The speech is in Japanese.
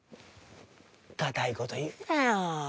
固いこと言うなよ。